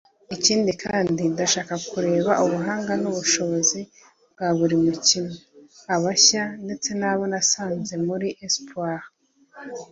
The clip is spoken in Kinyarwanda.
Ikindi kandi ndashaka kureba ubuhanga n’ubushobozi bwa buri mukinnyi; abashya ndetse n’abo nasanze muri Espoir